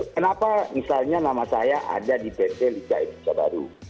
kenapa misalnya nama saya ada di pt liga indonesia baru